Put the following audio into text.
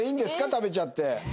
食べちゃって。